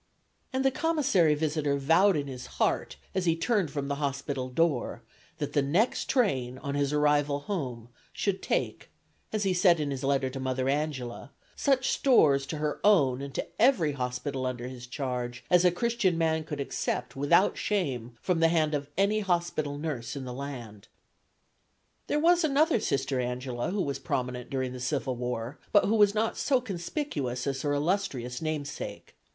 And the Commissary visitor vowed in his heart as he turned from the hospital door that the next train, on his arrival home, should take, as he said in his letter to Mother Angela, such stores to her own and to every hospital under his charge as a Christian man could accept without shame from the hand of any hospital nurse in the land. There was another Sister Angela who was prominent during the civil war, but who was not so conspicuous as her illustrious namesake.